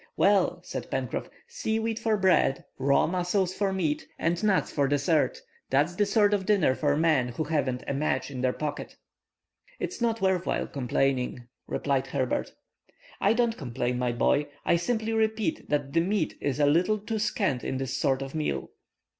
"Well," said Pencroff, "seaweed for bread, raw mussels for meat, and nuts for dessert, that's the sort of dinner for men who haven't a match in their pocket!" "It's not worth while complaining," replied Herbert. "I don't complain, my boy. I simply repeat that the meat is a little too scant in this sort of meal."